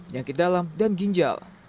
nyakit dalam dan ginjal